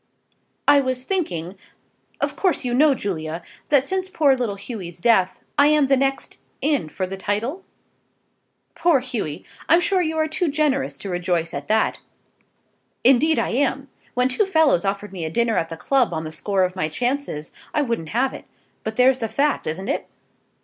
"I was thinking, of course you know, Julia, that since poor little Hughy's death, I am the next in for the title?" "Poor Hughy! I'm sure you are too generous to rejoice at that." "Indeed I am. When two fellows offered me a dinner at the club on the score of my chances, I wouldn't have it. But there's the fact; isn't it?"